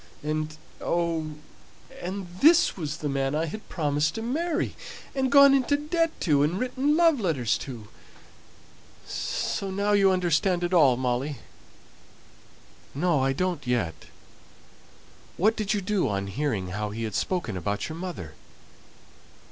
And, oh! and this was the man I had promised to marry, and gone into debt to, and written love letters to! So now you understand it all, Molly." "No, I don't yet. What did you do on hearing how he had spoken about your mother?"